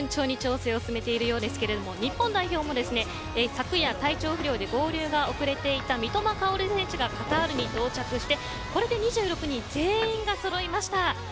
スペイン代表も順調に調整を進めているようですけど日本代表も、昨夜体調不良で合流が遅れていた三笘薫選手がカタールに到着してこれで２６人全員がそろいました。